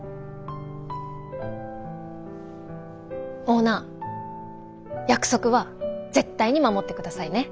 オーナー約束は絶対に守ってくださいね。